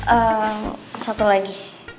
ehm satu lagi